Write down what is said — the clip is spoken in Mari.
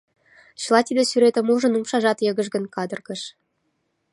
Чыла тиде сӱретым ужын, умшажат йыгыжгын кадыргыш.